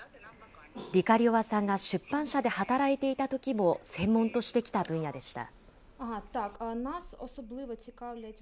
リカリョワさんが出版社で働いていたときも専門としてきた分野でした。